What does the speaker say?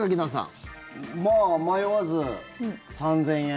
まあ迷わず３０００円。